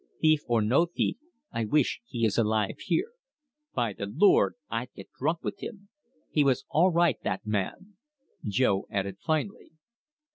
Thief or no thief, I wish he is alive here. By the Lord, I'd get drunk with him!' He was all right, that man," Jo added finally.